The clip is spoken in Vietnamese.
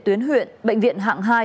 tuyến huyện bệnh viện hạng hai